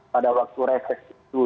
pada waktu reses itu